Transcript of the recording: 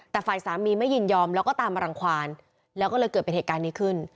แต่ฝ่ายสามีไม่ยินยอมแล้วก็ตามมารังความแล้วก็เลยเกิดเป็นเหตุการณ์นี้ขึ้น